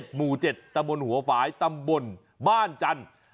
๒๓๗หมู่๗ตวหบบ้านจันทร์